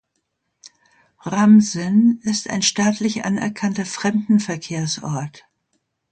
Ramsen ist ein staatlich anerkannter Fremdenverkehrsort.